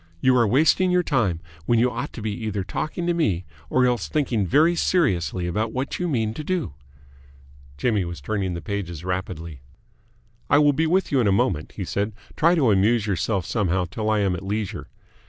You are wasting your time, when you ought to be either talking to me or else thinking very seriously about what you mean to do." Jimmy was turning the pages rapidly. "I will be with you in a moment," he said. "Try to amuse yourself somehow till I am at leisure.